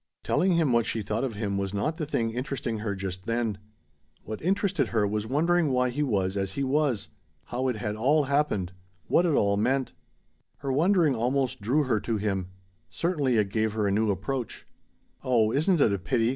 Telling him what she thought of him was not the thing interesting her then. What interested her was wondering why he was as he was. How it had all happened. What it all meant. Her wondering almost drew her to him; certainly it gave her a new approach. "Oh isn't it a pity!"